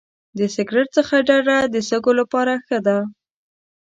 د سګرټ څخه ډډه د سږو لپاره ښه ده.